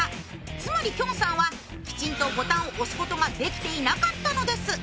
つまりきょんさんはきちんとボタンを押すことができていなかったのです。